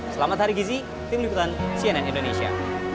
selamat hari gizi tim liputan cnn indonesia